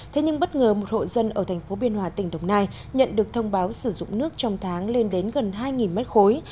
thế nhưng bất ngờ một hộ dân ở thành phố biên hòa tỉnh đồng nai nhận được thông báo sử dụng nước trong tháng lên đến gần hai mét khối